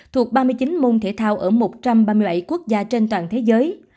thuộc ba mươi chín môn thể thao ở một trăm ba mươi bảy quốc gia trên toàn thế giới